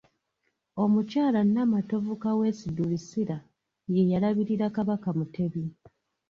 Omukyala Nnamatovu Kaweesi Drusilla ye eyalabirira Kabaka Mutebi.